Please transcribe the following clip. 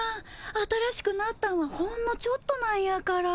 新しくなったんはほんのちょっとなんやから。